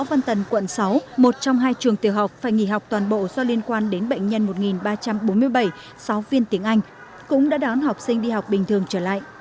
trường văn tần quận sáu một trong hai trường tiểu học phải nghỉ học toàn bộ do liên quan đến bệnh nhân một ba trăm bốn mươi bảy giáo viên tiếng anh cũng đã đón học sinh đi học bình thường trở lại